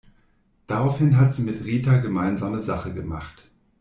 Daraufhin hat sie mit Rita gemeinsame Sache gemacht.